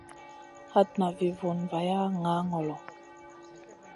Hatna vi vunna vaya ŋaa ŋolo.